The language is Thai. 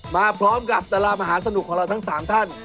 มาพร้อมกับดารามหาสนุกของเราทั้ง๓ท่าน